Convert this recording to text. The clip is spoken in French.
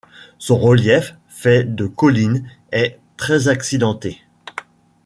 Son relief, fait de collines, est très accidenté.